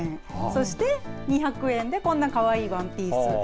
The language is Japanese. そして、２００円でこんなかわいいワンピース。